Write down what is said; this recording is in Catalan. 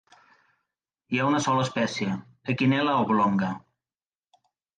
Hi ha una sola espècie, Echinella oblonga.